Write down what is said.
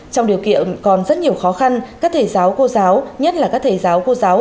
trong điều kiện còn rất nhiều khó khăn các thầy giáo cô giáo nhất là các thầy giáo cô giáo